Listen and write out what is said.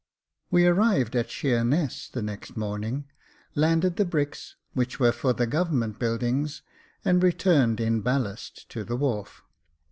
We arrived at Sheerness the next morning, landed the bricks, which were for the Government buildings, and returned in ballast to the wharf.